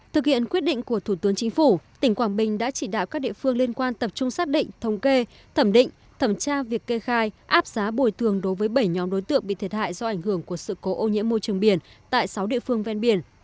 thực hiện quyết định của thủ tướng chính phủ tỉnh quảng bình đã chỉ đạo các địa phương liên quan tập trung xác định thống kê thẩm định thẩm tra việc kê khai áp giá bồi thường đối với bảy nhóm đối tượng bị thiệt hại do ảnh hưởng của sự cố ô nhiễm môi trường biển tại sáu địa phương ven biển